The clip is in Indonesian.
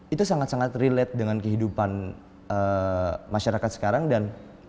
itu sangat sangat relate dengan kehidupan masyarakat sekarang dan